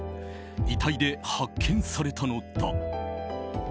遺体で発見されたのだ。